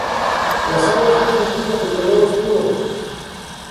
Las aguas son tranquilas, de color oscuro.